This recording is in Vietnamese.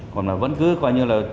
còn mà vẫn cứ coi như là